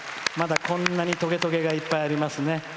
まだ、こんなにトゲトゲがいっぱいありますね。